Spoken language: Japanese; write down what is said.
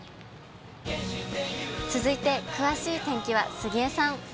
続いて詳しい天気は杉江さん。